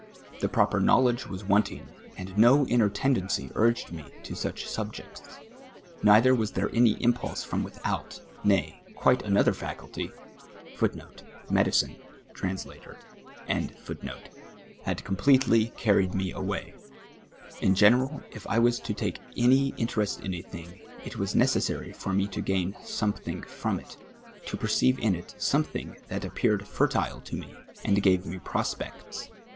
The ])roper know ledge was wanting, and no inner tendency urged me to such subjects. Neither was there any impulse fi om without, nay, quite another faculty* had completely carried me away. In general, if I was to take any interest in a thing, it was neces t^ary for me to gain something from it, to perceive in it some thing that appeared fertile to me, and gave mc prospects.